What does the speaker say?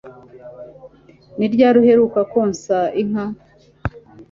Ni ryari uheruka konsa inka?